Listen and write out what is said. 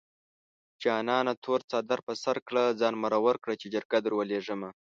جانانه تور څادر په سر کړه ځان مرور کړه چې جرګه دروليږمه